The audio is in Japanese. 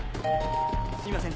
すいません。